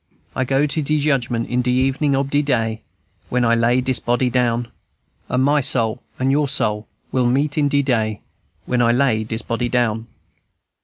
I go to de Judgment in de evening ob de day When I lay dis body down; And my soul and your soul will meet in de day When I lay dis body down."